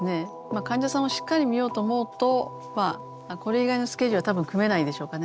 患者さんをしっかり診ようと思うとこれ以外のスケジュールは多分組めないでしょうかね。